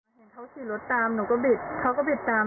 เห็นเขาขี่รถตามหนูก็บิดเขาก็บิดตาม